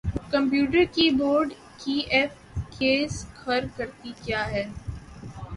computer keyboard کی F keys خر کرتی کیا ہیں